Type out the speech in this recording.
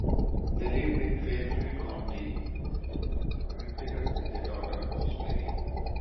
They lived in Fairfield County, Connecticut, with their daughter Rosemary.